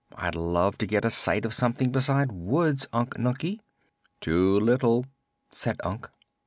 I'd love to get a sight of something besides woods, Unc Nunkie." "Too little," said Unc.